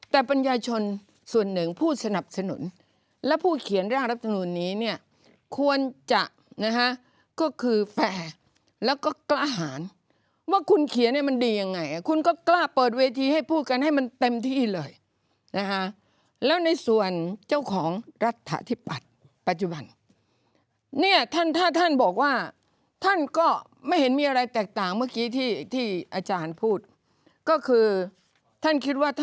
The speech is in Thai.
แต่ปัญญาชนส่วนหนึ่งผู้สนับสนุนและผู้เขียนร่างรัฐมนุนนี้เนี่ยควรจะนะฮะก็คือแฟร์แล้วก็กล้าหารว่าคุณเขียนเนี่ยมันดียังไงคุณก็กล้าเปิดเวทีให้พูดกันให้มันเต็มที่เลยนะคะแล้วในส่วนเจ้าของรัฐธิปัตย์ปัจจุบันเนี่ยท่านถ้าท่านบอกว่าท่านก็ไม่เห็นมีอะไรแตกต่างเมื่อกี้ที่ที่อาจารย์พูดก็คือท่านคิดว่าท